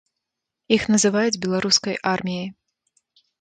Іх называюць беларускай арміяй.